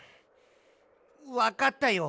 わかったよ。